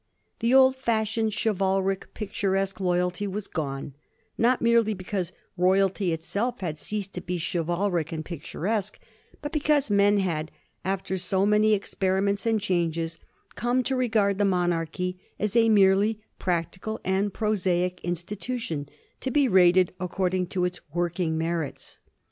The old fash ioned chivalric, picturesque loyalty was gone; not merely because royalty itself had ceased to be chivalric and pictu resque, but because men had, after so many experiments and changes, come to regard the monarchy as a merely practical and prosaic institution, to be rated according to its working merits.